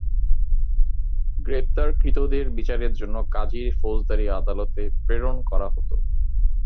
গ্রেপ্তারকৃতদের বিচারের জন্য কাজীর ফৌজদারি আদালতে প্রেরণ করা হতো।